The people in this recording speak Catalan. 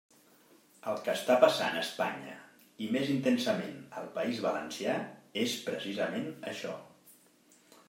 El que està passant a Espanya, i més intensament al País Valencià, és precisament això.